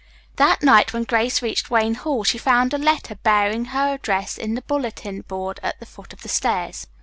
That night when Grace reached Wayne Hall she found a letter bearing her address in the bulletin board at the foot of the stairs.